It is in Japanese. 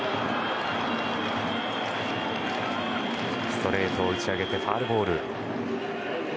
ストレートを打ち上げてファウルボール。